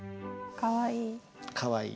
「かわいい」。